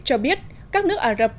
cho biết các nước ả rập